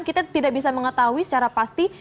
kita tidak bisa mengetahui secara pasti